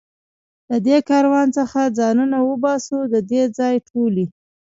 له دې کاروان څخه ځانونه وباسو، د دې ځای ټولې.